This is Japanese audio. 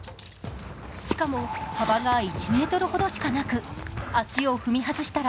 しかも幅が１ｍほどしかなく、足を踏み外したら